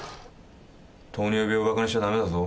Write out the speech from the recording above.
糖尿病をバカにしちゃダメだぞ。